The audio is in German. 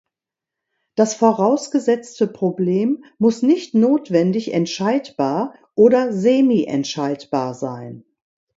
Das vorausgesetzte Problem muss nicht notwendig entscheidbar oder semi-entscheidbar sein.